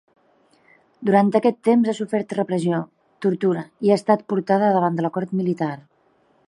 Durant aquest temps ha sofert repressió, tortura i ha estat portada davant la cort militar.